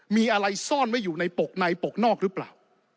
มีอะไรซ่อนไว้อยู่ในปกในปกนอกหรือเปล่า